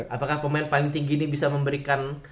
apakah pemain paling tinggi ini bisa memberikan